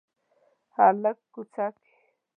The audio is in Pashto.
هلک کوڅه کې